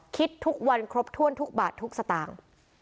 คิดทุกวันครบถ้วนทุกบาททุกสตางค์